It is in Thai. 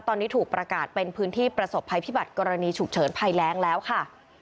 ตอนนี้ถูกประกาศเป็นพื้นที่ประสบภัยพิบัติกรณีฉุกเฉินภัยแรงแล้วค่ะ